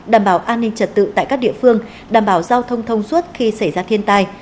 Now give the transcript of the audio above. đảm bảo an ninh trật tự tại các địa phương đảm bảo giao thông thông suốt khi xảy ra thiên tai